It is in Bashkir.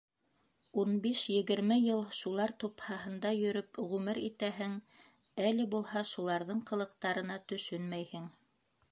Ун биш-егерме йыл шулар тупһаһында йөрөп ғүмер итәһең, әле булһа шуларҙың ҡылыҡтарына төшөнмәйһең.